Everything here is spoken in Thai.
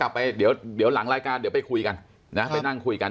กลับไปเดี๋ยวหลังรายการเดี๋ยวไปคุยกัน